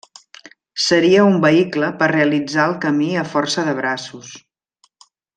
Seria un vehicle per realitzar el camí a força de braços.